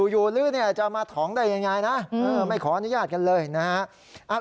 อยู่หรือจะมาถองได้ยังไงนะไม่ขออนุญาตกันเลยนะฮะ